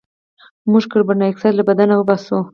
موږ کاربن ډای اکسایډ له بدن وباسو